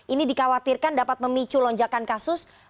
ini dikhawatirkan dapat memicu lonjakan kasus